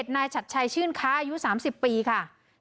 นายชัดชัยชื่นค้าอายุ๓๐ปีค่ะ